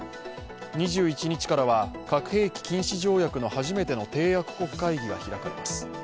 ２１日からは核兵器禁止条約の始めての締約国会議が開かれます。